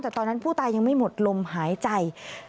แต่ตอนนั้นผู้ตายยังไม่หมดลมหายใจ